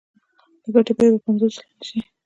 د ګټې بیه به پنځوس سلنه شي